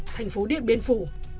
thành phố điện biên phủ